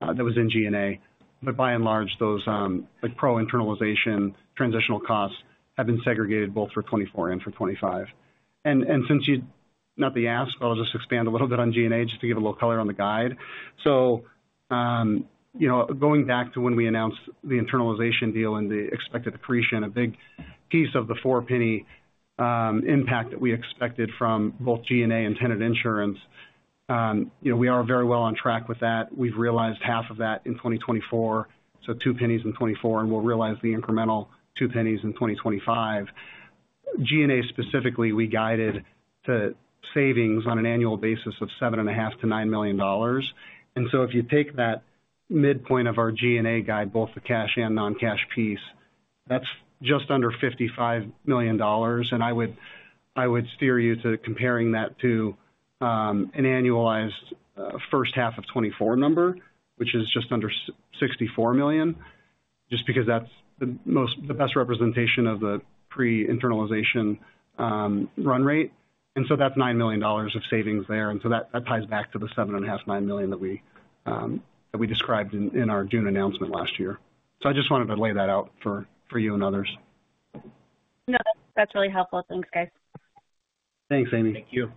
D: that was in G&A. But by and large, those PRO internalization transitional costs have been segregated both for 2024 and for 2025. And since you asked, I'll just expand a little bit on G&A just to give a little color on the guide. So, you know, going back to when we announced the internalization deal and the expected depreciation, a big piece of the $0.04 impact that we expected from both G&A and tenant insurance, you know, we are very well on track with that. We've realized half of that in 2024. So, $0.02 in 2024 and we'll realize the incremental $0.02 in 2025. G&A specifically, we guided to savings on an annual basis of $7.5 million-$9 million. And so, if you take that midpoint of our G&A guide, both the cash and non-cash piece, that's just under $55 million. And I would steer you to comparing that to an annualized first half of 2024 number, which is just under $64 million, just because that's the best representation of the pre-internalization run rate. And so, that's $9 million of savings there. And so, that ties back to the $7.5 million-$9 million that we described in our June announcement last year. So, I just wanted to lay that out for you and others. No, that's really helpful. Thanks, guys. Thanks, Ami.
C: Thank you.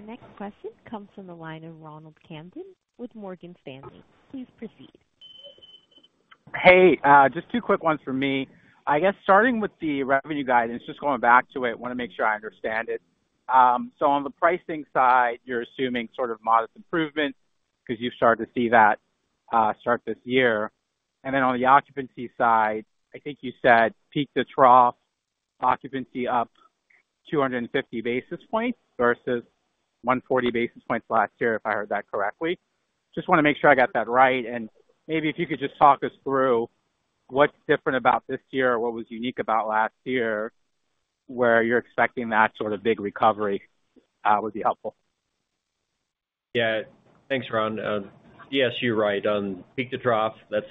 A: Our next question comes from the line of Ronald Kamdem with Morgan Stanley. Please proceed.
J: Hey, just two quick ones for me. I guess starting with the revenue guidance, just going back to it, I want to make sure I understand it. So, on the pricing side, you're assuming sort of modest improvement because you've started to see that start this year. And then on the occupancy side, I think you said peak to trough, occupancy up 250 basis points versus 140 basis points last year, if I heard that correctly. Just want to make sure I got that right. And maybe if you could just talk us through what's different about this year or what was unique about last year where you're expecting that sort of big recovery would be helpful.
C: Yeah. Thanks, Ron. Yes, you're right. Peak to trough, that's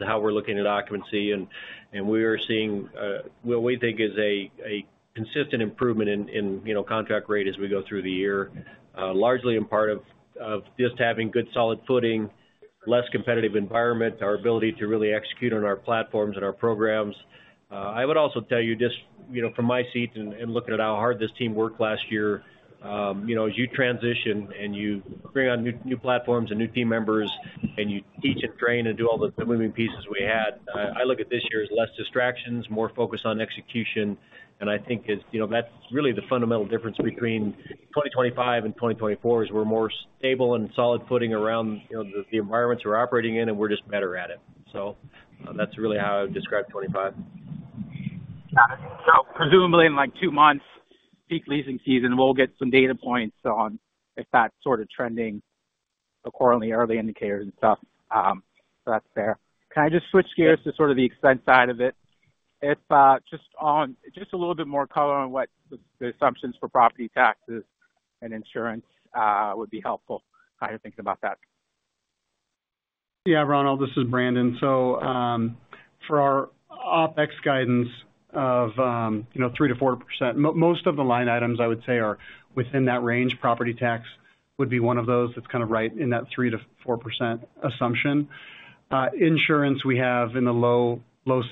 C: how we're looking at occupancy, and we are seeing what we think is a consistent improvement in contract rate as we go through the year, largely in part of just having good solid footing, less competitive environment, our ability to really execute on our platforms and our programs. I would also tell you just, you know, from my seat and looking at how hard this team worked last year, you know, as you transition and you bring on new platforms and new team members and you teach and train and do all the moving pieces we had, I look at this year as less distractions, more focus on execution. I think, you know, that's really the fundamental difference between 2025 and 2024 is we're more stable and solid footing around, you know, the environments we're operating in and we're just better at it. So, that's really how I would describe 2025.
J: Got it. So, presumably in like two months, peak leasing season, we'll get some data points on if that's sort of trending accordingly, early indicators and stuff. So, that's fair. Can I just switch gears to sort of the expense side of it? If just a little bit more color on what the assumptions for property taxes and insurance would be helpful, kind of thinking about that.
D: Yeah, Ronald, this is Brandon. So, for our OpEx guidance of, you know, 3%-4%, most of the line items I would say are within that range. Property tax would be one of those that's kind of right in that 3%-4% assumption. Insurance we have in the low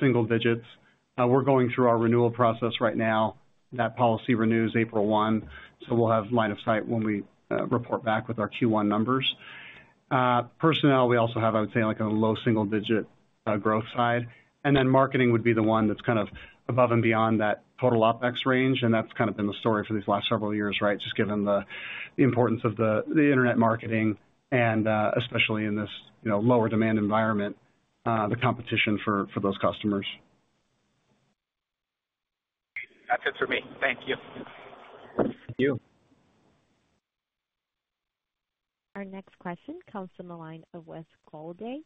D: single digits. We're going through our renewal process right now. That policy renews April 1. So, we'll have line of sight when we report back with our Q1 numbers. Personnel, we also have, I would say, like a low single digit growth side. And then marketing would be the one that's kind of above and beyond that total OpEx range. And that's kind of been the story for these last several years, right? Just given the importance of the internet marketing and especially in this, you know, lower demand environment, the competition for those customers.
J: That's it for me. Thank you.
C: Thank you.
A: Our next question comes from the line of Wes Golladay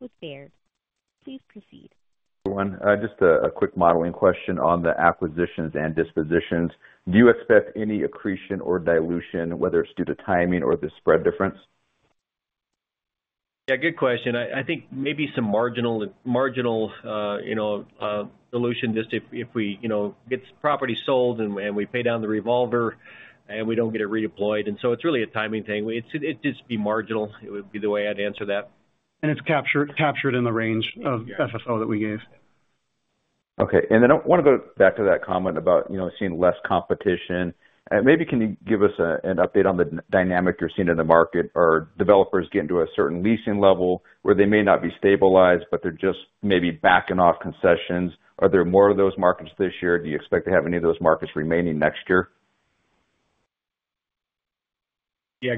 A: with Baird. Please proceed.
K: One, just a quick modeling question on the acquisitions and dispositions. Do you expect any accretion or dilution, whether it's due to timing or the spread difference?
C: Yeah, good question. I think maybe some marginal, you know, dilution just if we, you know, get property sold and we pay down the revolver and we don't get it redeployed. And so, it's really a timing thing. It'd just be marginal. It would be the way I'd answer that.
D: It's captured in the range of FFO that we gave.
K: Okay. And then I want to go back to that comment about, you know, seeing less competition. Maybe can you give us an update on the dynamic you're seeing in the market or developers get into a certain leasing level where they may not be stabilized, but they're just maybe backing off concessions? Are there more of those markets this year? Do you expect to have any of those markets remaining next year?
C: Yeah,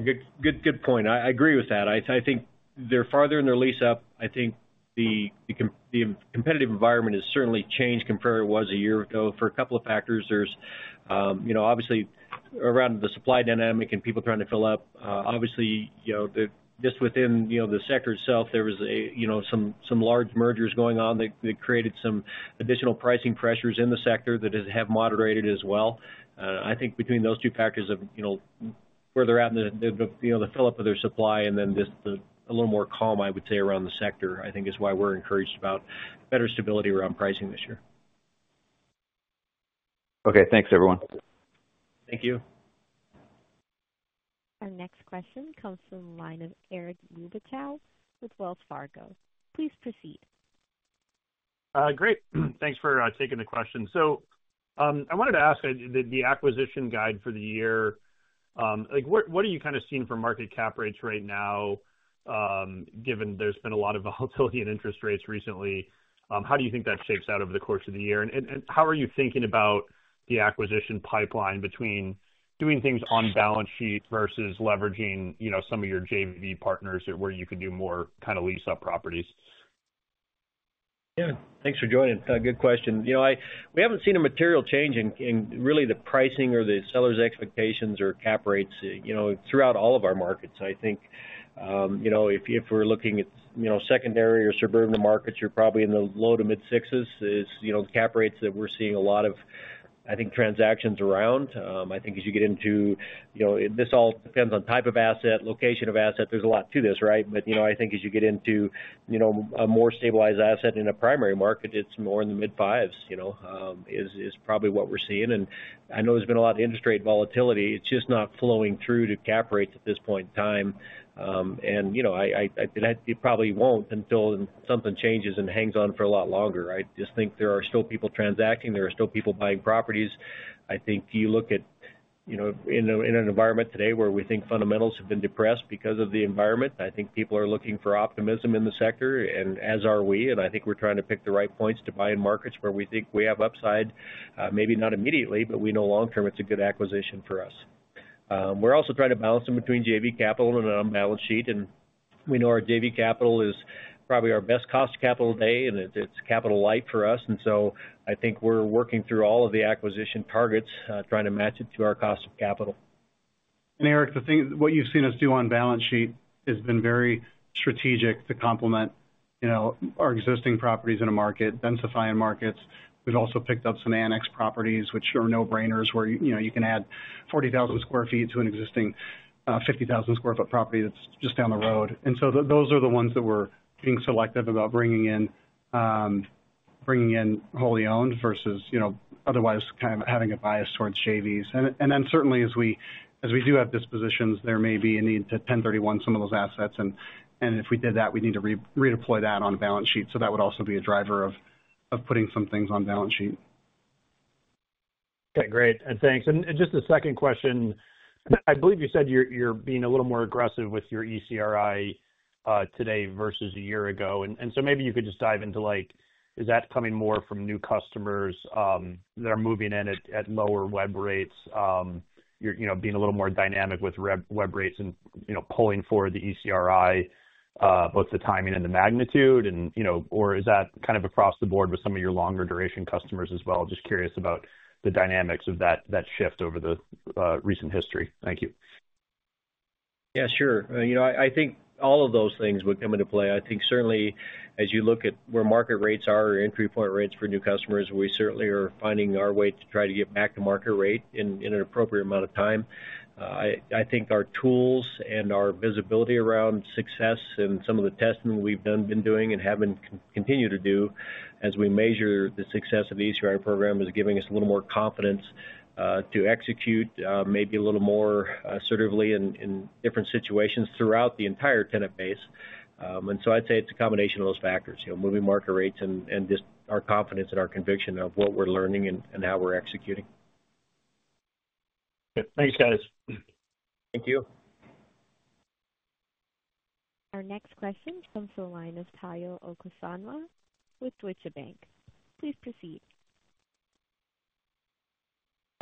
C: good point. I agree with that. I think they're farther in their lease-up. I think the competitive environment has certainly changed compared to what it was a year ago for a couple of factors. There's, you know, obviously around the supply dynamic and people trying to fill up. Obviously, you know, just within, you know, the sector itself, there was, you know, some large mergers going on that created some additional pricing pressures in the sector that have moderated as well. I think between those two factors of, you know, where they're at in the, you know, the fill-up of their supply and then just a little more calm, I would say, around the sector, I think is why we're encouraged about better stability around pricing this year.
K: Okay. Thanks, everyone.
C: Thank you.
A: Our next question comes from the line of Eric Luebchow with Wells Fargo. Please proceed.
L: Great. Thanks for taking the question. So, I wanted to ask the acquisition guidance for the year, like, what are you kind of seeing for market cap rates right now, given there's been a lot of volatility in interest rates recently? How do you think that shakes out over the course of the year? And how are you thinking about the acquisition pipeline between doing things on balance sheet versus leveraging, you know, some of your JV partners where you could do more kind of lease-up properties?
C: Yeah. Thanks for joining. Good question. You know, we haven't seen a material change in really the pricing or the seller's expectations or cap rates, you know, throughout all of our markets. I think, you know, if we're looking at, you know, secondary or suburban markets, you're probably in the low to mid-sixes is, you know, the cap rates that we're seeing a lot of, I think, transactions around. I think as you get into, you know, this all depends on type of asset, location of asset. There's a lot to this, right, but you know, I think as you get into, you know, a more stabilized asset in a primary market, it's more in the mid-fives, you know, is probably what we're seeing, and I know there's been a lot of interest rate volatility. It's just not flowing through to cap rates at this point in time. It probably won't until something changes and hangs on for a lot longer. I just think there are still people transacting. There are still people buying properties. I think you look at, you know, in an environment today where we think fundamentals have been depressed because of the environment. I think people are looking for optimism in the sector, and as are we. I think we're trying to pick the right points to buy in markets where we think we have upside, maybe not immediately, but we know long-term it's a good acquisition for us. We're also trying to balance them between JV capital and on balance sheet. We know our JV capital is probably our best cost capital today, and it's capital light for us. And so, I think we're working through all of the acquisition targets, trying to match it to our cost of capital.
D: And Eric, the thing what you've seen us do on balance sheet has been very strategic to complement, you know, our existing properties in a market, densifying markets. We've also picked up some annex properties, which are no-brainers where, you know, you can add 40,000 sq ft to an existing 50,000 sq ft property that's just down the road. And so, those are the ones that we're being selective about bringing in, bringing in wholly owned versus, you know, otherwise kind of having a bias towards JVs. And then certainly, as we do have dispositions, there may be a need to 1031 some of those assets. And if we did that, we'd need to redeploy that on balance sheet. So, that would also be a driver of putting some things on balance sheet.
L: Okay. Great. And thanks. And just a second question. I believe you said you're being a little more aggressive with your ECRI today versus a year ago. And so, maybe you could just dive into, like, is that coming more from new customers that are moving in at lower web rates, you know, being a little more dynamic with web rates and, you know, pulling forward the ECRI, both the timing and the magnitude? And, you know, or is that kind of across the board with some of your longer duration customers as well? Just curious about the dynamics of that shift over the recent history. Thank you.
C: Yeah, sure. You know, I think all of those things would come into play. I think certainly, as you look at where market rates are or entry point rates for new customers, we certainly are finding our way to try to get back to market rate in an appropriate amount of time. I think our tools and our visibility around success and some of the testing we've been doing and having continued to do as we measure the success of the ECRI program is giving us a little more confidence to execute maybe a little more assertively in different situations throughout the entire tenant base, and so, I'd say it's a combination of those factors, you know, moving market rates and just our confidence and our conviction of what we're learning and how we're executing.
L: Thanks, guys.
C: Thank you.
A: Our next question comes from the line of Tayo Okusanya with Deutsche Bank. Please proceed.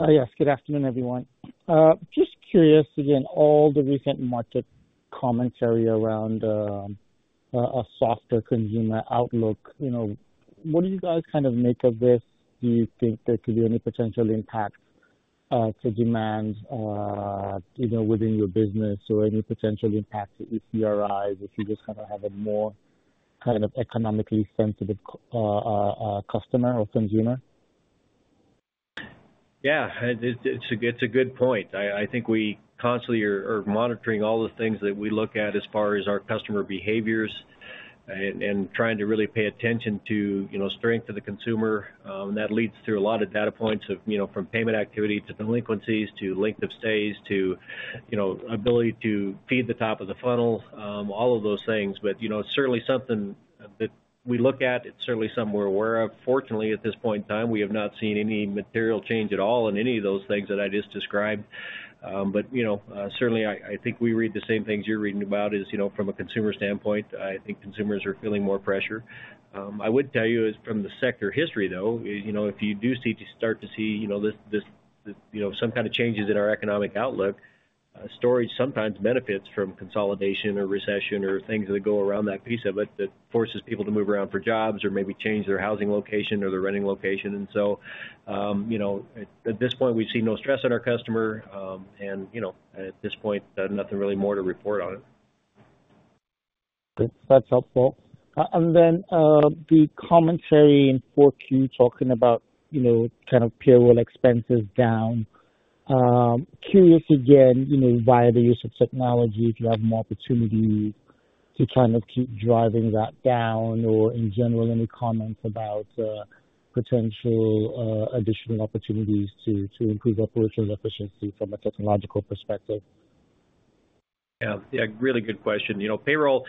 M: Yes. Good afternoon, everyone. Just curious, again, all the recent market commentary around a softer consumer outlook, you know, what do you guys kind of make of this? Do you think there could be any potential impact to demand, you know, within your business or any potential impact to ECRIs if you just kind of have a more kind of economically sensitive customer or consumer?
C: Yeah. It's a good point. I think we constantly are monitoring all the things that we look at as far as our customer behaviors and trying to really pay attention to, you know, strength of the consumer. And that leads through a lot of data points of, you know, from payment activity to delinquencies to length of stays to, you know, ability to feed the top of the funnel, all of those things. But, you know, certainly something that we look at, it's certainly something we're aware of. Fortunately, at this point in time, we have not seen any material change at all in any of those things that I just described. But, you know, certainly, I think we read the same things you're reading about is, you know, from a consumer standpoint, I think consumers are feeling more pressure. I would tell you from the sector history, though, you know, if you do start to see, you know, this, you know, some kind of changes in our economic outlook, storage sometimes benefits from consolidation or recession or things that go around that piece of it that forces people to move around for jobs or maybe change their housing location or their renting location. And so, you know, at this point, we've seen no stress on our customer. And, you know, at this point, nothing really more to report on it.
M: That's helpful. And then the commentary in 4Q talking about, you know, kind of payroll expenses down. Curious again, you know, via the use of technology, if you have more opportunity to kind of keep driving that down or in general, any comments about potential additional opportunities to improve operational efficiency from a technological perspective?
C: Yeah. Yeah. Really good question. You know, payroll,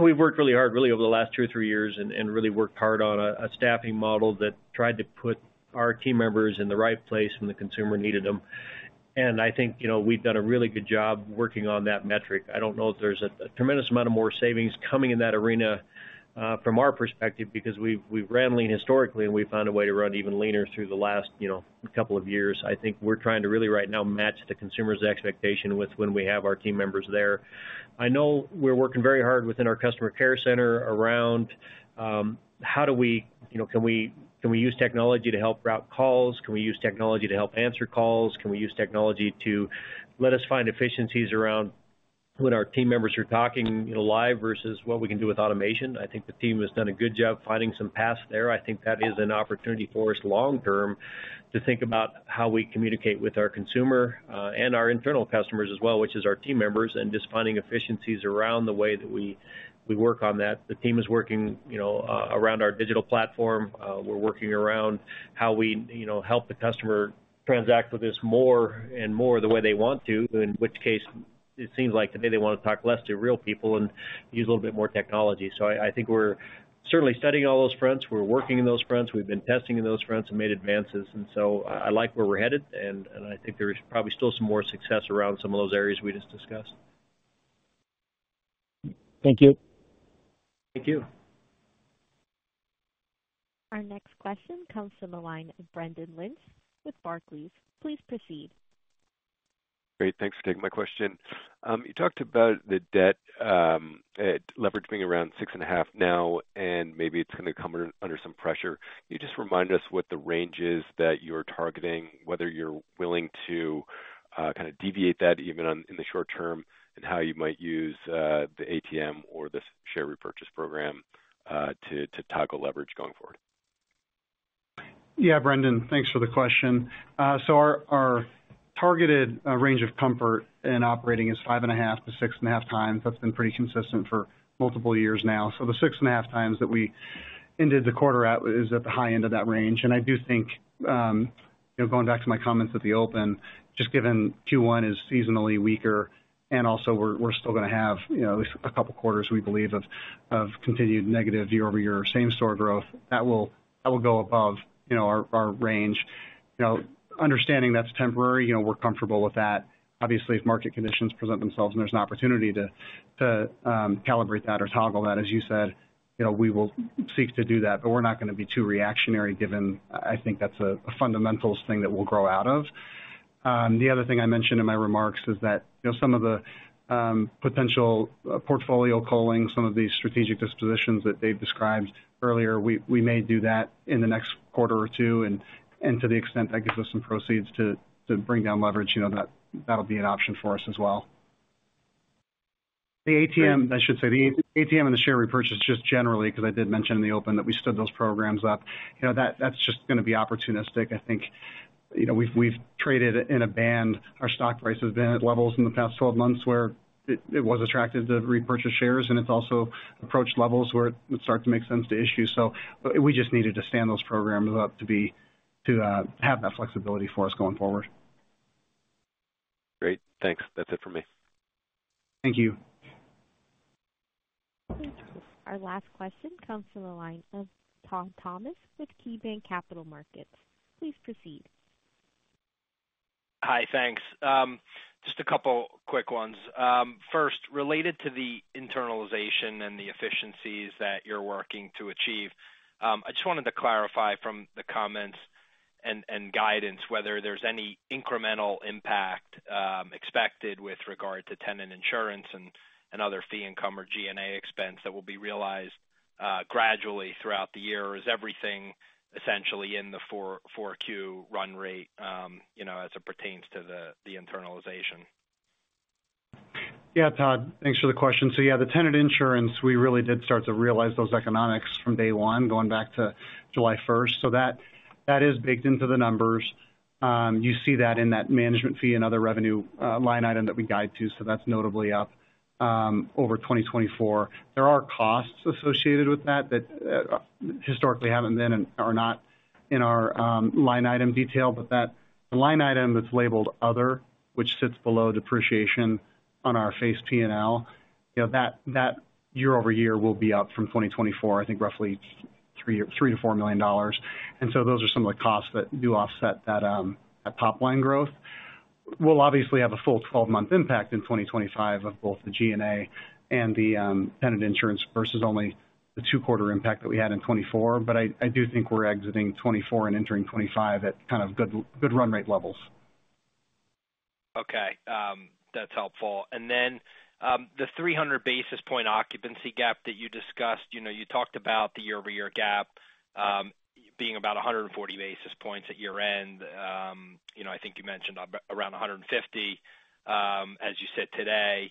C: we've worked really hard, really, over the last two or three years and really worked hard on a staffing model that tried to put our team members in the right place when the consumer needed them. And I think, you know, we've done a really good job working on that metric. I don't know if there's a tremendous amount of more savings coming in that arena from our perspective because we've ran lean historically and we found a way to run even leaner through the last, you know, couple of years. I think we're trying to really right now match the consumer's expectation with when we have our team members there. I know we're working very hard within our customer care center around how do we, you know, can we use technology to help route calls? Can we use technology to help answer calls? Can we use technology to let us find efficiencies around when our team members are talking, you know, live versus what we can do with automation? I think the team has done a good job finding some paths there. I think that is an opportunity for us long-term to think about how we communicate with our consumer and our internal customers as well, which is our team members, and just finding efficiencies around the way that we work on that. The team is working, you know, around our digital platform. We're working around how we, you know, help the customer transact with us more and more the way they want to, in which case it seems like today they want to talk less to real people and use a little bit more technology, so I think we're certainly studying all those fronts. We're working in those fronts. We've been testing in those fronts and made advances. And so, I like where we're headed. And I think there's probably still some more success around some of those areas we just discussed.
M: Thank you.
C: Thank you.
A: Our next question comes from the line of Brendan Lynch with Barclays. Please proceed.
N: Great. Thanks for taking my question. You talked about the debt leveraging around six and a half now, and maybe it's going to come under some pressure. Can you just remind us what the range is that you're targeting, whether you're willing to kind of deviate that even in the short term and how you might use the ATM or the share repurchase program to toggle leverage going forward?
D: Yeah, Brendan, thanks for the question. So, our targeted range of comfort in operating is five and a half to six and a half times. That's been pretty consistent for multiple years now. So, the six and a half times that we ended the quarter at is at the high end of that range. And I do think, you know, going back to my comments at the open, just given Q1 is seasonally weaker and also we're still going to have, you know, at least a couple of quarters, we believe, of continued negative year-over-year same-store growth, that will go above, you know, our range. You know, understanding that's temporary, you know, we're comfortable with that. Obviously, if market conditions present themselves and there's an opportunity to calibrate that or toggle that, as you said, you know, we will seek to do that. But we're not going to be too reactionary given, I think, that's a fundamental thing that we'll grow out of. The other thing I mentioned in my remarks is that, you know, some of the potential portfolio culling, some of these strategic dispositions that they described earlier, we may do that in the next quarter or two. And to the extent that gives us some proceeds to bring down leverage, you know, that'll be an option for us as well. The ATM, I should say, the ATM and the share repurchase just generally, because I did mention in the open that we stood those programs up, you know, that's just going to be opportunistic. I think, you know, we've traded in a band. Our stock price has been at levels in the past 12 months where it was attracted to repurchase shares. It's also approached levels where it starts to make sense to issue. We just needed to stand those programs up to have that flexibility for us going forward.
N: Great. Thanks. That's it for me.
D: Thank you.
A: Our last question comes from the line of Todd Thomas with KeyBanc Capital Markets. Please proceed.
O: Hi, thanks. Just a couple of quick ones. First, related to the internalization and the efficiencies that you're working to achieve, I just wanted to clarify from the comments and guidance whether there's any incremental impact expected with regard to tenant insurance and other fee income or G&A expense that will be realized gradually throughout the year. Is everything essentially in the 4Q run rate, you know, as it pertains to the internalization?
D: Yeah, Todd. Thanks for the question. So, yeah, the tenant insurance, we really did start to realize those economics from day one going back to July 1st. So, that is baked into the numbers. You see that in that management fee and other revenue line item that we guide to. So, that's notably up over 2024. There are costs associated with that that historically haven't been and are not in our line item detail, but that line item that's labeled other, which sits below depreciation on our face P&L, you know, that year-over-year will be up from 2024, I think roughly $3 million-$4 million. And so, those are some of the costs that do offset that top line growth. We'll obviously have a full 12-month impact in 2025 of both the G&A and the tenant insurance versus only the two-quarter impact that we had in 2024. But I do think we're exiting 2024 and entering 2025 at kind of good run rate levels.
O: Okay. That's helpful. And then the 300 basis point occupancy gap that you discussed, you know, you talked about the year-over-year gap being about 140 basis points at year-end. You know, I think you mentioned around 150, as you said today,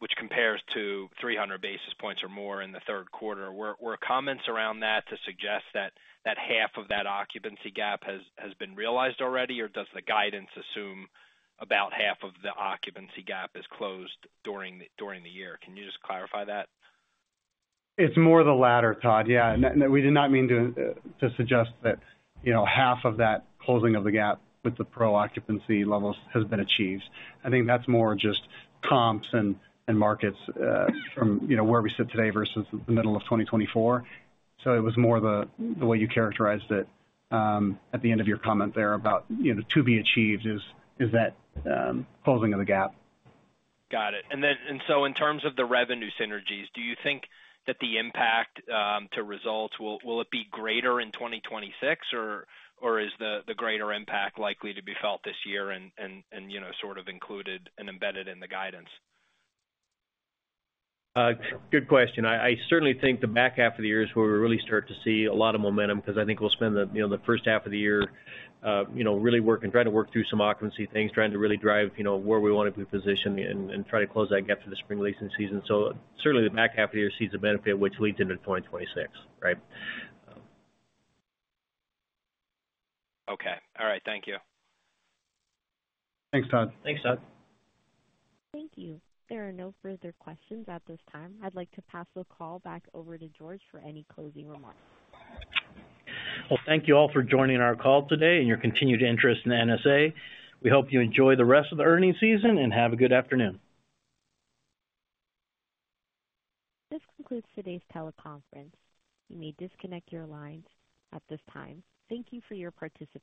O: which compares to 300 basis points or more in the third quarter. Your comments around that to suggest that half of that occupancy gap has been realized already? Or does the guidance assume about half of the occupancy gap is closed during the year? Can you just clarify that?
D: It's more the latter, Todd. Yeah. We did not mean to suggest that, you know, half of that closing of the gap with the pro-occupancy levels has been achieved. I think that's more just comps and markets from, you know, where we sit today versus the middle of 2024. So, it was more the way you characterized it at the end of your comment there about, you know, to be achieved is that closing of the gap.
O: Got it. And then, and so in terms of the revenue synergies, do you think that the impact to results, will it be greater in 2026? Or is the greater impact likely to be felt this year and, you know, sort of included and embedded in the guidance?
D: Good question. I certainly think the back half of the year is where we really start to see a lot of momentum because I think we'll spend the, you know, the first half of the year, you know, really working, trying to work through some occupancy things, trying to really drive, you know, where we want to be positioned and try to close that gap for the spring leasing season. So, certainly the back half of the year sees a benefit, which leads into 2026, right?
O: Okay. All right. Thank you.
C: Thanks, Todd.
D: Thanks, Todd.
A: Thank you. There are no further questions at this time. I'd like to pass the call back over to George for any closing remarks.
B: Thank you all for joining our call today and your continued interest in NSA. We hope you enjoy the rest of the earnings season and have a good afternoon.
A: This concludes today's teleconference. You may disconnect your lines at this time. Thank you for your participation.